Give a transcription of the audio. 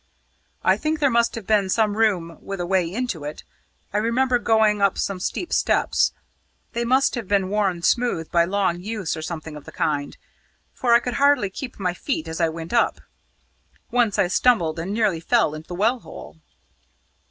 "I think there must have been some room with a way into it. I remember going up some steep steps; they must have been worn smooth by long use or something of the kind, for I could hardly keep my feet as I went up. Once I stumbled and nearly fell into the well hole."